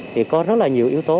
thì có rất là nhiều yếu tố